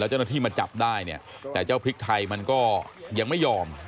เจ้าหน้าที่มาจับได้เนี่ยแต่เจ้าพริกไทยมันก็ยังไม่ยอม